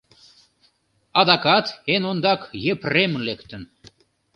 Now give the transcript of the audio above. — Адакат эн ондак Епрем лектын.